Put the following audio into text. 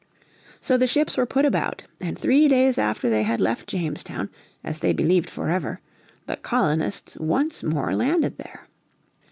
So the ships were put about, and three days after they had left Jamestown, as they believed forever, the colonists once more landed there.